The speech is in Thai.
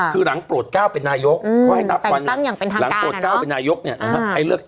คือหลังโปรดเก้าเป็นนายกหลังโปรดเก้าเป็นนายกเนี่ย